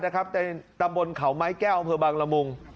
ตำบลเขาไม้แก้วอำเภอบางละมุง